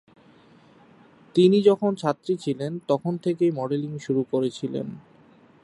তিনি যখন ছাত্রী ছিলেন তখন থেকেই মডেলিং শুরু করেছিলেন।